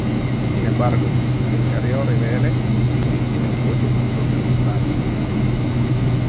Sin embargo, el interior revela que tiene ocho pisos en total.